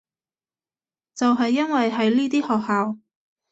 就係因為係呢啲學校